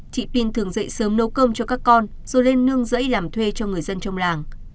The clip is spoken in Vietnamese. chị pin thường dậy sớm nấu cơm cho các con rồi lên nương rẫy làm thuê cho người dân trong làng